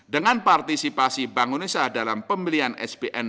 dengan partisipasi bank indonesia dalam pembelian sbn